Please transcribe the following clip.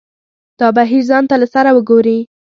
دا بهیر ځان ته له سره وګوري.